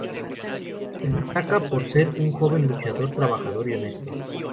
Se destaca por ser un joven luchador, trabajador y honesto.